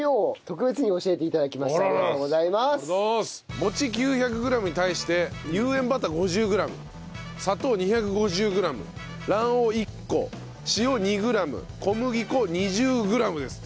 餅９００グラムに対して有塩バター５０グラム砂糖２５０グラム卵黄１個塩２グラム小麦粉２０グラムですって。